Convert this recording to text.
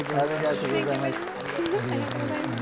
ありがとうございます。